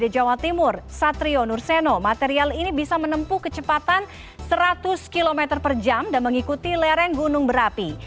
di jawa timur satrio nurseno material ini bisa menempuh kecepatan seratus km per jam dan mengikuti lereng gunung berapi